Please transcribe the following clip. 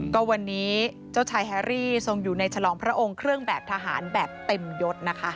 ก็วันนี้เจ้าชายแฮรี่ทรงอยู่ในฉลองพระองค์เครื่องแบบทหารแบบเต็มยศนะคะ